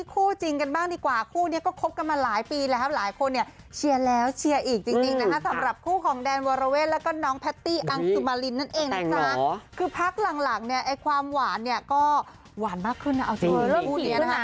คู่จริงกันบ้างดีกว่าคู่นี้ก็คบกันมาหลายปีแล้วหลายคนเนี่ยเชียร์แล้วเชียร์อีกจริงนะคะสำหรับคู่ของแดนวรเวทแล้วก็น้องแพตตี้อังสุมารินนั่นเองนะจ๊ะคือพักหลังหลังเนี่ยไอ้ความหวานเนี่ยก็หวานมากขึ้นนะเอาจริงคู่นี้นะคะ